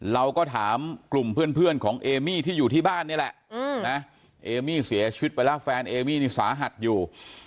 เราก็ถามกลุ่มเพื่อนของเอมี่ที่อยู่ที่บ้านนี่แหละนะเอมี่เสียชีวิตไปแล้วแฟนเอมี่นี่สาหัสอยู่